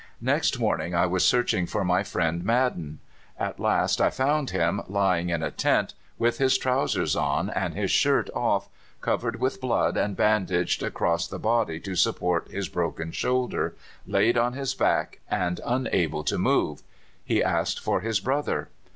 "Next morning I was searching for my friend Madden. At last I found him lying in a tent, with his trousers on and his shirt off, covered with blood, and bandaged across the body to support his broken shoulder, laid on his back and unable to move. He asked for his brother.